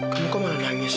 kamu kok malah nangis